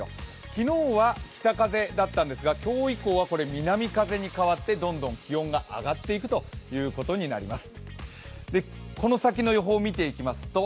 昨日は北風だったんですが今日以降は南風に変わってどんどん気温が上がっていくということになります。